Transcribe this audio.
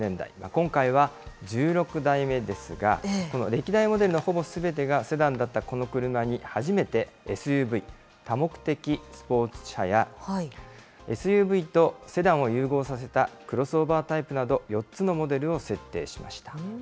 今回は１６代目ですが、この歴代モデルのほぼすべてがセダンだったこの車に、初めてＳＵＶ・多目的スポーツ車や、ＳＵＶとセダンを融合させたクロスオーバータイプなど、４つのモデルを設定しました。